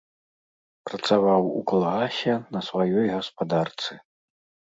Працаваў у калгасе, на сваёй гаспадарцы.